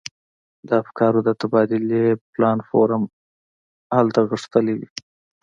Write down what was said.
د افکارو د تبادلې پلاټ فورم هلته غښتلی وي.